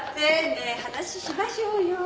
ねえ話ししましょうよ。